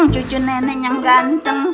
cucu nenek yang ganteng